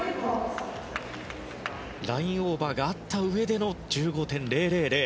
ラインオーバーがあったうえでの１５．０００。